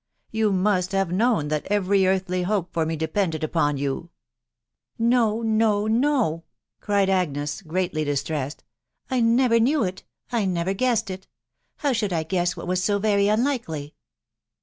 You must have known that every earthly hope for me depended upon you !"" No, no, no," cried Agnes, greatly distressed. '* I newer Jcnew it — I never guessed it. .•. How should I guest wkt was so very unlikely